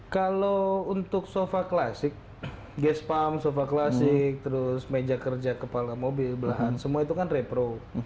kalau untuk sofa klasik gas pump sofa klasik terus meja kerja kepala mobil belahan semua itu kan repro